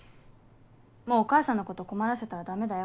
もうお母さんのこと困らせたらダメだよ。